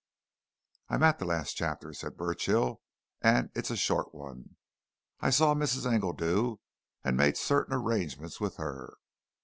"I'm at the last chapter," said Burchill. "And it's a short one. I saw Mrs. Engledew and made certain arrangements with her.